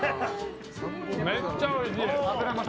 めっちゃおいしい！